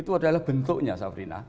itu adalah bentuknya sabrina